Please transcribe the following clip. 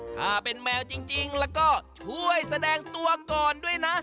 ถ้าเป็นแมวจริงแล้วก็ช่วยแสดงตัวก่อนด้วยนะ